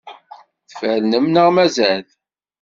Tfernem neɣ mazal?